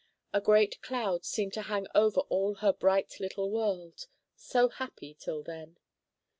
A great cloud seemed to hang over all her bright little world, so happy till then.